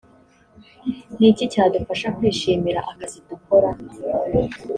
ni iki cyadufasha kwishimira akazi dukora